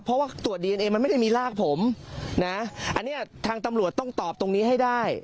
เพราะว่าตรวจดีเอนเอมันไม่ได้มีรากผมนะอันนี้ทางตำรวจต้องตอบตรงนี้ให้ได้